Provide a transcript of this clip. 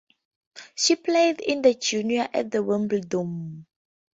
She played in the juniors at Wimbledon.